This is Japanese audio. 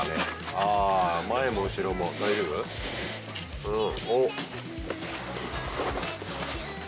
あ前も後ろも大丈夫？おっ。